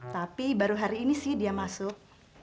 tapi baru hari ini sih dia masuk